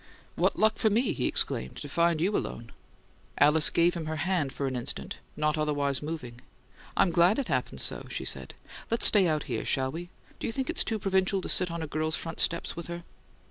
"What luck for me!" he exclaimed. "To find you alone!" Alice gave him her hand for an instant, not otherwise moving. "I'm glad it happened so," she said. "Let's stay out here, shall we? Do you think it's too provincial to sit on a girl's front steps with her?"